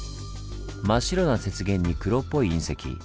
真っ白な雪原に黒っぽい隕石。